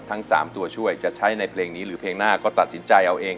ทั้ง๓ตัวช่วยจะใช้ในเพลงนี้หรือเพลงหน้าก็ตัดสินใจเอาเอง